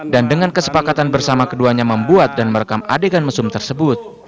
dan dengan kesepakatan bersama keduanya membuat dan merekam adegan mesum tersebut